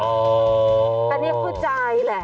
ตอนนี้ก็ใจแหล่ะ